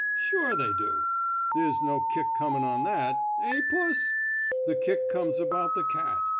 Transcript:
Sure, they do. There's no kick comin' on that. Eh, puss! The kick comes about the cat.